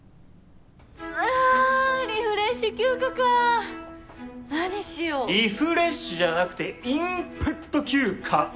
あリフレッシュ休暇か何しようリフレッシュじゃなくてインプット休暇！